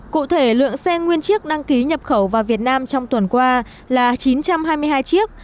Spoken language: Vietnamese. cụ thể lượng xe nguyên chiếc đăng ký nhập khẩu vào việt nam trong tuần qua là chín trăm hai mươi hai chiếc